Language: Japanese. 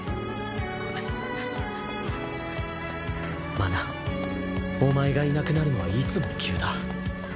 麻奈お前がいなくなるのはいつも急だ。